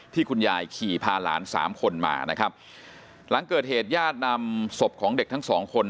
ที่คุณยายขี่พาหลาน๓คนมาหลังเกิดเหตุยาทนำศพของเด็กทั้ง๒คน